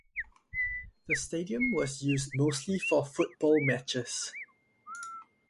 The stadium was used mostly for football matches.